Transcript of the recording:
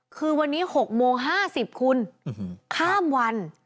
คือวันนี้๖โมง๕๐คุณข้ามวัน